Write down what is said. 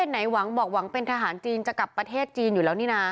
ไหนหวังบอกหวังเป็นทหารจีนจะกลับประเทศจีนอยู่แล้วนี่นะ